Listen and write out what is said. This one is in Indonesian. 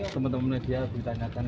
teman teman media ditanyakan